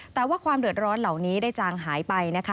แต่ว่าความเดือดร้อนเหล่านี้ได้จางหายไปนะคะ